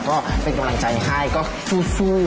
ก็เป็นกำลังใจให้ก็สู้